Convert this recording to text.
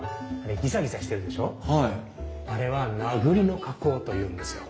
あれは名栗の加工というんですよ。